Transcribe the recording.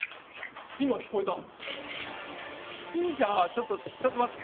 ちょっとちょっと待って。